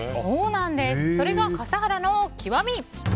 それが笠原の極み。